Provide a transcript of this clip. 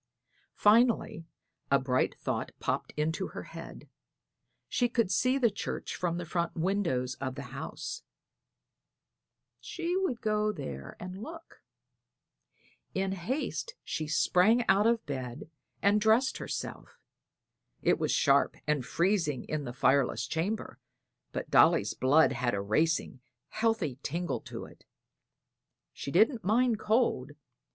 Finally a bright thought popped into her little head. She could see the church from the front windows of the house; she would go there and look. In haste she sprang out of bed and dressed herself. It was sharp and freezing in the fireless chamber, but Dolly's blood had a racing, healthy tingle to it; she didn't mind cold.